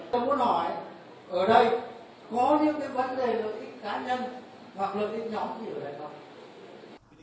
tôi muốn hỏi ở đây có những cái vấn đề lợi ích cá nhân hoặc lợi ích nhóm thì ở đây không